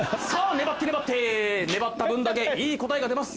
粘って粘って粘った分だけいい答えが出ます。